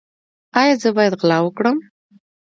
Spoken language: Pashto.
ایا زه باید غلا وکړم؟